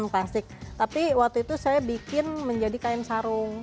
plastik tapi waktu itu saya bikin menjadi kain sarung